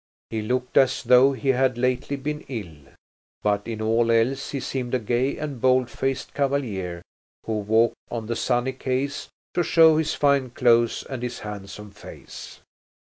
He looked as though he had lately been ill. But in all else he seemed a gay and bold faced cavalier, who walked on the sunny quays to show his fine clothes and his handsome face.